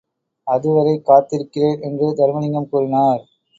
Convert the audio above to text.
அதுவரை காத்திருக்கிறேன் என்று தருமலிங்கம் கூறினார்.